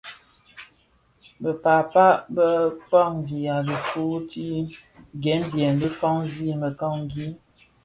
Bë pääpa bë kpaňzigha tifuu ti ghemzyèn dhi faňzi mekangi.